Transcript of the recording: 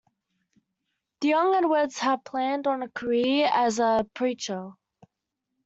The young Edwards had planned on a career as a preacher.